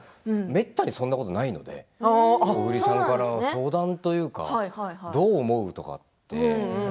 めったにそんなことないので小栗さんから相談というかどう思うとかって。